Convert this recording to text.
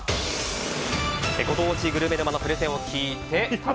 ご当地グルメ沼のプレゼンを聞いて。